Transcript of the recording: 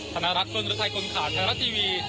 ธนรัฐธุรธัยกุญฐาไทยรัฐทีวี